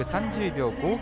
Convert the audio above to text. ３０秒５９。